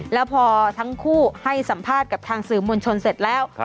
แล้วพอทั้งคู่ให้สัมภาษณ์กับทางสื่อมวลชนเสร็จแล้ว